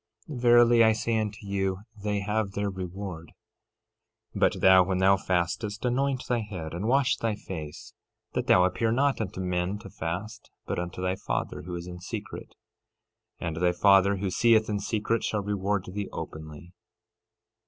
Verily I say unto you, they have their reward. 13:17 But thou, when thou fastest, anoint thy head, and wash thy face; 13:18 That thou appear not unto men to fast, but unto thy Father, who is in secret; and thy Father, who seeth in secret, shall reward thee openly.